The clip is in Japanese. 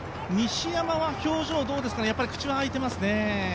西山は表情、口が開いていますね。